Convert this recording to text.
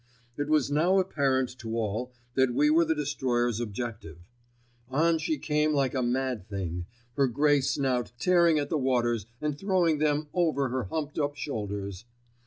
It was now apparent to all that we were the destroyer's objective. On she came like a mad thing, her grey snout tearing at the waters and throwing them over her humped up shoulders.